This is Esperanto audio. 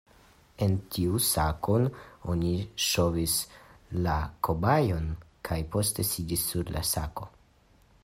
En tiun sakon oni ŝovis la kobajon, kaj poste sidis sur la sako.